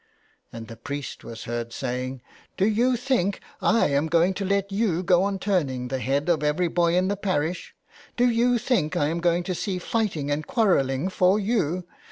And the priest was heard saying, * Do you think I am going to let you go on turning the head of every boy in the parish ? Do you think I am going to see fighting and quarrelling for you?